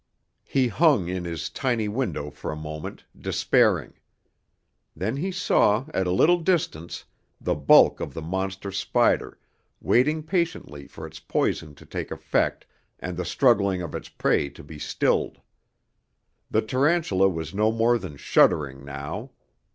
He hung in his tiny window for a moment, despairing. Then he saw, at a little distance, the bulk of the monster spider, waiting patiently for its poison to take effect and the struggling of its prey to be stilled. The tarantula was no more than shuddering now.